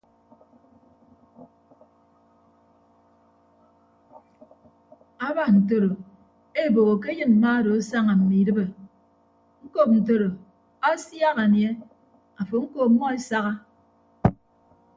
Aba ntoro eboho ke ayịn mma odo asaña mme idịp ñkọp ntodo asiak anie afo ñko ọmmọ esaha.